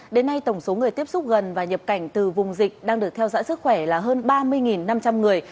đến nay tổng số người tiếp xúc gần và nhập cảnh từ vùng dịch đang được theo dõi sức khỏe là hơn ba mươi năm trăm linh người